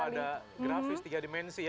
ada grafis tiga dimensi ya